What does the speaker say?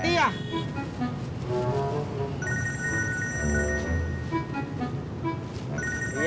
hai jak kepadamu mati ya